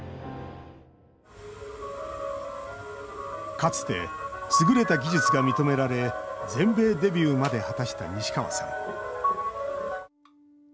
かつて、優れた技術が認められ全米デビューまで果たした西川さん。